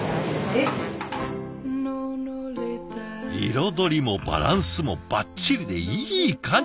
彩りもバランスもバッチリでいい感じ。